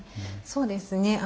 そうですね。